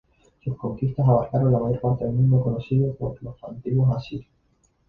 Sus conquistas abarcaron la mayor parte del mundo conocido por los antiguos asirios.